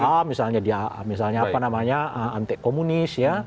ya misalnya dia misalnya apa namanya antikomunis ya